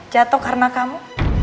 jatuh karena kamu